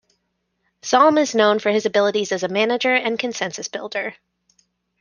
Zalm is known for his abilities as a manager and consensus builder.